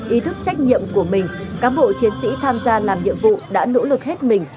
ý thức trách nhiệm của mình cán bộ chiến sĩ tham gia làm nhiệm vụ đã nỗ lực hết mình